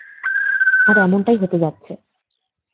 আর এমনটাই হতে যাচ্ছে।